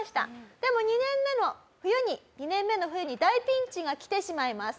でも２年目の冬に２年目の冬に大ピンチが来てしまいます。